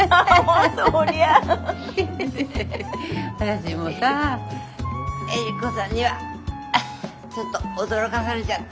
私もさエリコさんにはちょっと驚かされちゃった。